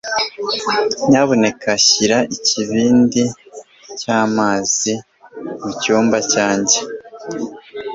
Nyamuneka shyira ikibindi cy'amazi mucyumba cyanjye.